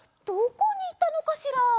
どこにいったのかしら？